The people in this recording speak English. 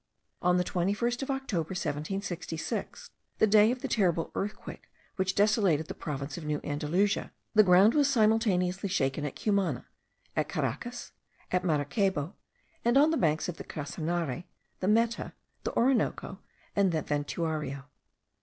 On the 21st of October, 1766, the day of the terrible earthquake which desolated the province of New Andalusia, the ground was simultaneously shaken at Cumana, at Caracas, at Maracaybo, and on the banks of the Casanare, the Meta, the Orinoco, and the Ventuario.